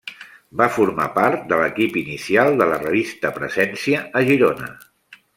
Va formar part de l’equip inicial de la revista Presència a Girona.